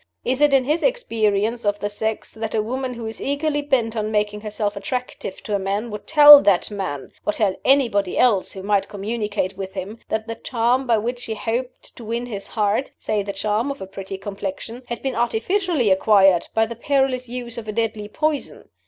Is it in his experience of the sex that a woman who is eagerly bent on making herself attractive to a man would tell that man, or tell anybody else who might communicate with him, that the charm by which she hoped to win his heart say the charm of a pretty complexion had been artificially acquired by the perilous use of a deadly poison?